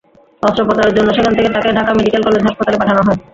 অস্ত্রোপচারের জন্য সেখান থেকে তাকে ঢাকা মেডিকেল কলেজ হাসপাতালে পাঠানো হয়।